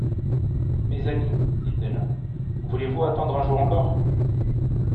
Mes amis, dit-elle, voulez-vous attendre un jour encore?